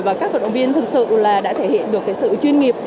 và các vận động viên thực sự là đã thể hiện được sự chuyên nghiệp